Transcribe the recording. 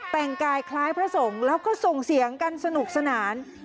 แต่งกายคล้ายพระสงฆ์แล้วก็ส่งเสียงกันสนุกสนาน